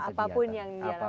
apapun yang dia lakukan